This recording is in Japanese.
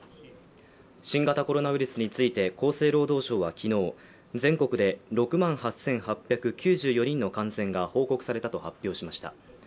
新型コロナウイルスについて厚生労働省は昨日全国で６万８８９４人の感染が報告されたと発表しました。